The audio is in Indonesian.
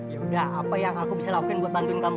ya udah apa yang aku bisa lakukan buat bantuin kamu